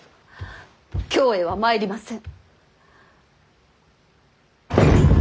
京へは参りません。